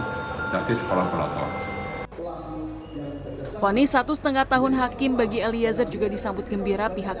tersebut sekolah berapa ponis satu setengah tahun hakim bagi eliezer juga disambut gembira pihak